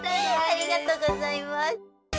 ありがとうございます。